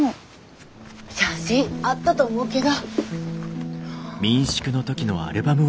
写真あったと思うけど。